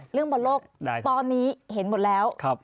เรื่องบอลโลกตอนนี้เห็นหมดแล้ว